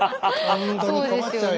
本当に困っちゃうよ。